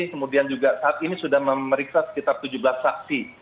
kemudian juga saat ini sudah memeriksa sekitar tujuh belas saksi